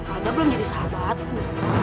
anda belum jadi sahabatku